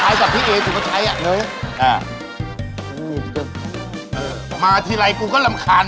อยากปั้น